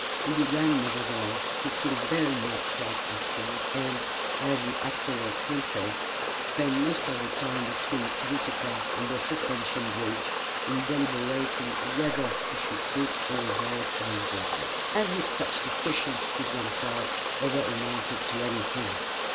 He began nevertheless, to feel very much like a fool, and as he afterward confessed spent most of the time between Utica and the Suspension Bridge in deliberating whether he should seek or avoid an interview. As if such discussions with one's self ever amounted to any thing!